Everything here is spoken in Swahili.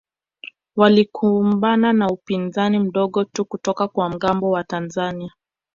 Walikumbana na upinzani mdogo tu kutoka kwa mgambo wa Tanzania